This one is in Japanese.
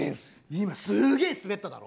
今すげえスベっただろ？